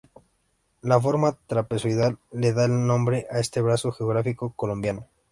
La forma trapezoidal le da el nombre a este brazo geográfico colombiano.